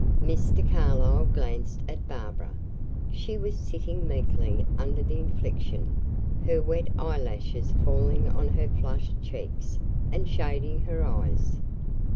Mr. Carlyle glanced at Barbara. She was sitting meekly under the infliction, her wet eyelashes falling on her flushed cheeks and shading her eyes.